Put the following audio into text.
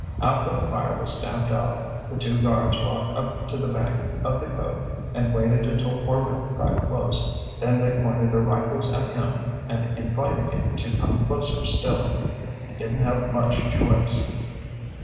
After the fire was stamped out, the two guards walked up to the bank of the cove and waited until Orvil got close, then they pointed their rifles at him and invited him to come closer still. He didn't have much choice."